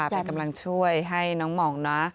เป็นกำลังช่วยให้น้องหม่องนะ